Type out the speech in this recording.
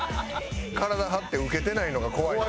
体張ってウケてないのが怖いよな。